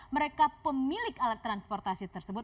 mereka pemilik alat transportasi tersebut